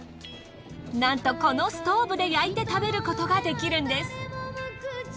なんとこのストーブで焼いて食べることができるんです。